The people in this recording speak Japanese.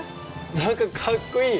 何かかっこいい！